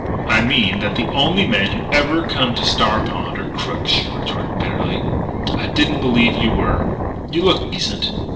"I mean that the only men who ever come to Star Pond are crooks," she retorted bitterly. "I didn't believe you were. You look decent.